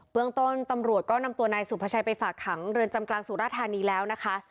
เมืองต้นตำรวจก็นำตัวนายสุภาชัยไปฝากขังเรือนจำกลางสุราธานีแล้วนะคะ